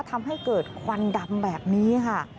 ทำให้เกิดควันดำแบบนี้ค่ะ